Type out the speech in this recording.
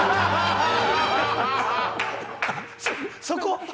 そこ！